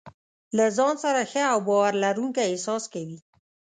له ځان سره ښه او باور لرونکی احساس کوي.